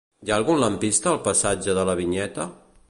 Hi ha algun lampista al passatge de la Vinyeta?